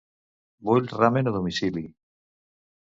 Vull ramen a domicili.